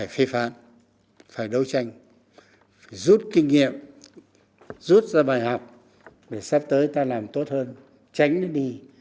phê phán phải đấu tranh rút kinh nghiệm rút ra bài học để sắp tới ta làm tốt hơn tránh nó đi